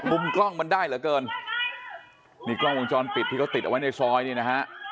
มุมกล้องมันได้เหลือเกินนี่กล้องวงจรปิดที่เขาติดเอาไว้ในซอยนี่นะฮะ